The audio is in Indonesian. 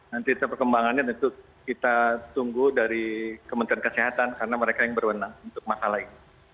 nanti perkembangannya tentu kita tunggu dari kementerian kesehatan karena mereka yang berwenang untuk masalah ini